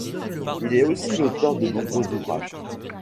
Il est aussi l'auteur de nombreux ouvrages.